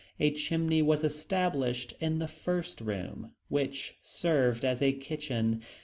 A chimney was established in the first room, which served as a kitchen.